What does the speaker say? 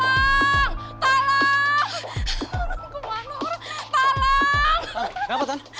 orang kemana orang